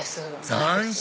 斬新！